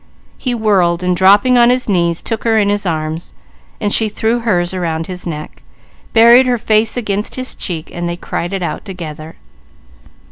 He whirled and dropping on his knees took her in his arms. She threw hers around his neck, buried her face against his cheek, and they cried it out together.